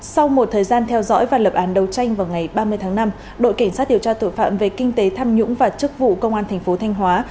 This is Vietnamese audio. sau một thời gian theo dõi và lập án đấu tranh vào ngày ba mươi tháng năm đội cảnh sát điều tra tội phạm về kinh tế tham nhũng và chức vụ công an thành phố thanh hóa